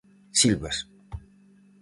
Silvas.